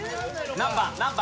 何番？